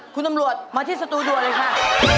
คุณตำรวจมาที่สตูด่วนเลยค่ะ